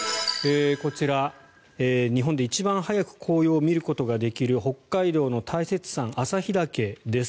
こちら、日本で一番早く紅葉を見ることができる北海道の大雪山・旭岳です。